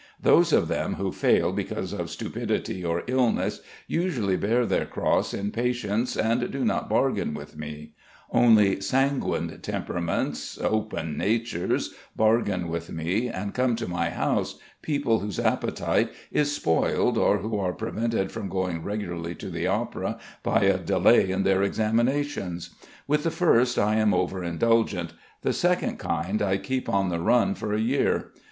Those of them who fail because of stupidity or illness, usually bear their cross in patience and do not bargain with me; only sanguine temperaments, "open natures," bargain with me and come to my house, people whose appetite is spoiled or who are prevented from going regularly to the opera by a delay in their examinations. With the first I am over indulgent; the second kind I keep on the run for a year.